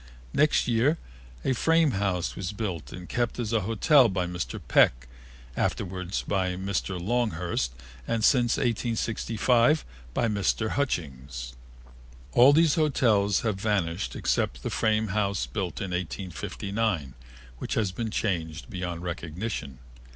Next year a frame house was built and kept as a hotel by Mr. Peck, afterward by Mr. Longhurst and since 1864 by Mr. Hutchings. All these hotels have vanished except the frame house built in 1859, which has been changed beyond recognition.